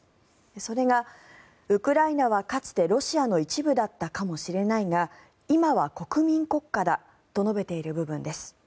それがウクライナはかつてロシアの一部だったかもしれないが今は国民国家だと述べている部分です。